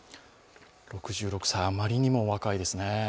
６６歳、あまりにも若いですね。